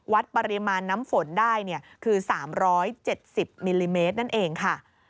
วัดปริมาณน้ำฝนได้คือ๓๗๐มิลลิเมตร